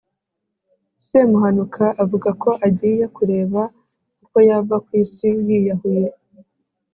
Semuhanuka avuga ko agiye kureba uko yava ku isi yiyahuye.